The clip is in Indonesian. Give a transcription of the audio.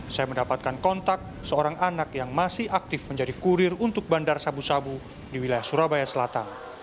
saya mendapatkan kontak seorang anak yang masih aktif menjadi kurir untuk bandar sabu sabu di wilayah surabaya selatan